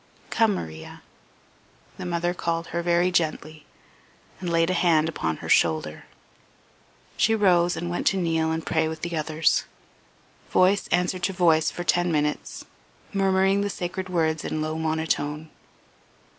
"Come, Maria." The mother called her very gently, and laid a hand upon her shoulder. She rose and went to kneel and pray with the others. Voice answered to voice for ten minutes, murmuring the sacred words in low monotone.